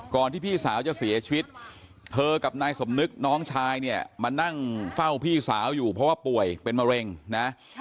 ที่พี่สาวจะเสียชีวิตเธอกับนายสมนึกน้องชายเนี่ยมานั่งเฝ้าพี่สาวอยู่เพราะว่าป่วยเป็นมะเร็งนะ